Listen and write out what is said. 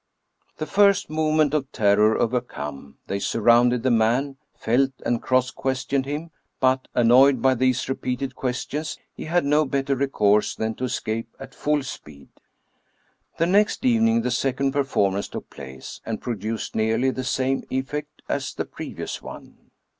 The first movement of terror overcome, they surrounded the man, felt and cross questioned him; but, annoyed by these repeated questions, he had no better recourse than to escape at full speed. The next evening the second performance took place, and produced nearly the same effect as the previous one.